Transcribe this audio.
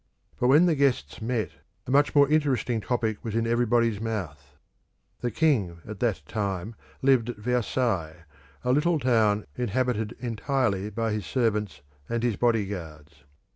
But when the guests met, a much more interesting topic was in everybody's mouth. The king at that time lived at Versailles, a little town inhabited entirely by his servants and his bodyguards.